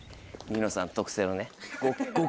『ニノさん』特製のね。